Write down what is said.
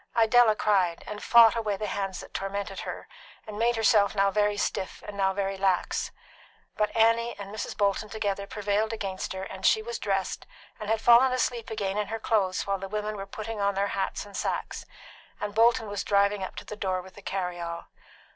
Idella cried, and fought away the hands that tormented her, and made herself now very stiff and now very lax; but Annie and Mrs. Bolton together prevailed against her, and she was dressed, and had fallen asleep again in her clothes while the women were putting on their hats and sacks, and Bolton was driving up to the door with the carry all.